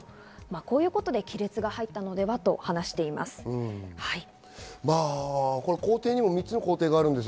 こういうことで亀裂が入ったのではないかと話しています。